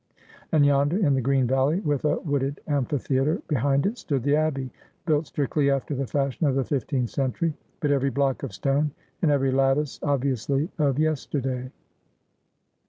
And yonder, in the green valley, with a wooded amphitheatre behind it, stood the Abbey, built strictly after the fashion of the fifteenth century, but every block of stone and every lattice obviously of yesterday.